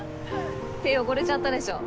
手汚れちゃったでしょ？